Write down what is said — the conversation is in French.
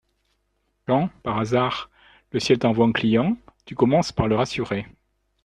Quand, par hasard, le ciel t’envoie un client, tu commences par le rassurer…